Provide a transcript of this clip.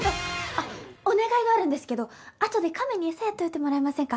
あっお願いがあるんですけどあとで亀に餌やっておいてもらえませんか？